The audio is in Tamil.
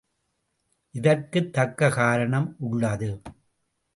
இதற்கும் தக்க காரணம் உள்ளது.